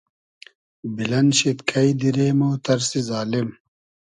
بیلئن شید کݷ دیرې مۉ تئرسی زالیم